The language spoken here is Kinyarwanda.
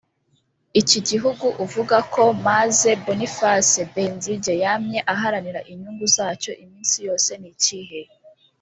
Iki gihugu uvuga ko Mzee Boniface Benzige yamye aharanira inyungu zacyo iminsi yose ni ikihe